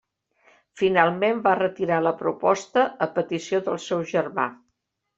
Finalment va retirar la proposta a petició del seu germà.